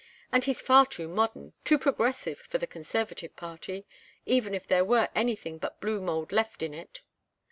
And he's far too modern, too progressive, for the Conservative party even if there were anything but blue mould left in it."